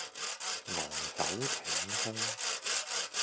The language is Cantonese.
昂首挺胸